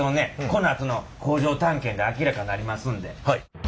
このあとの工場探検で明らかなりますんで。